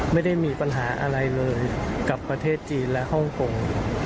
ไม่ได้มีปัญหาอะไรเลยกับประเทศจีนและฮ่องกง